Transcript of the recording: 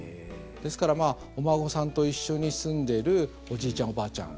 ですからお孫さんと一緒に住んでるおじいちゃん、おばあちゃん